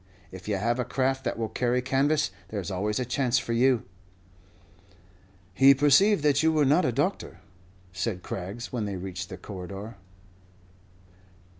If you have a craft that will carry canvas, there's always a chance for you." "He perceived that you were not a doctor," said Craggs, when they reached the corridor.